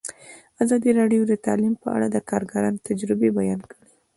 ازادي راډیو د تعلیم په اړه د کارګرانو تجربې بیان کړي.